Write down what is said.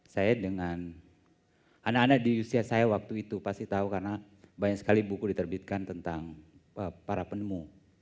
saya dengan anak anak di usia saya waktu itu pasti tahu karena banyak sekali buku diterbitkan tentang para penemu